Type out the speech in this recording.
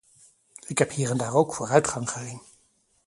Ik heb hier en daar ook vooruitgang gezien.